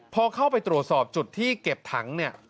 พอเข้าไปตรวจสอบจุดที่เก็บถังเนี่ย